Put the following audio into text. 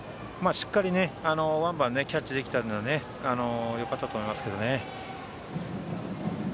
しっかりワンバンでキャッチできたのでよかったと思いますけどね。